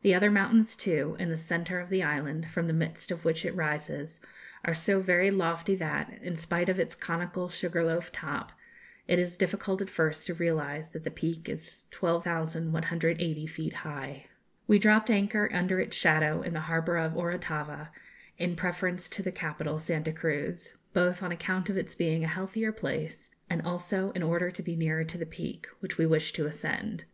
The other mountains too, in the centre of the island, from the midst of which it rises, are so very lofty that, in spite of its conical sugar loaf top, it is difficult at first to realise that the Peak is 12,180 feet high. We dropped anchor under its shadow in the harbour of Orotava in preference to the capital, Santa Cruz, both on account of its being a healthier place, and also in order to be nearer to the Peak, which we wished to ascend.